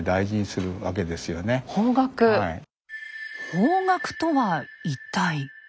方角とは一体。